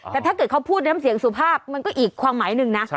แต่ถ้าเกิดเขาพูดน้ำเสียงสุภาพมันก็อีกความหมายหนึ่งนะ